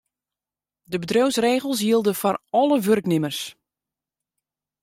De bedriuwsregels jilde foar alle wurknimmers.